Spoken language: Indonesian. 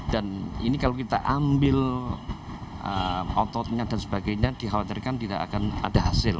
dan ini kalau kita ambil ototnya dan sebagainya dikhawatirkan tidak akan ada hasil